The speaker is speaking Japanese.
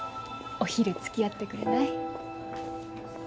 お昼付き合ってくれない？